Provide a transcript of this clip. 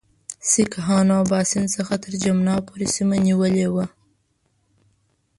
سیکهانو اباسین څخه تر جمنا پورې سیمه نیولې وه.